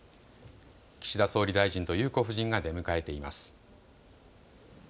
岸田総理大臣と裕子夫人が出迎えています。